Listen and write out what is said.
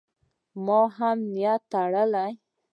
ما هم نیت تړلی.